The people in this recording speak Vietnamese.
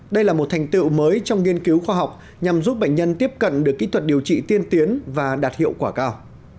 đây là một thành tựu mới trong nghiên cứu khoa học nhằm giúp bệnh nhân tiếp cận được kỹ thuật điều trị tiên tiến và đạt hiệu quả cao